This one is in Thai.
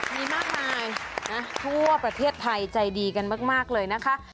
มีมากมายนะทั่วประเทศไทยใจดีกันมากเลยนะคะ